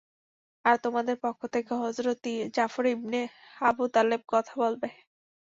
আর তোমাদের পক্ষ থেকে হযরত জাফর ইবনে আবু তালেব কথা বলবে।